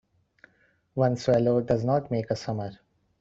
One swallow does not make a summer.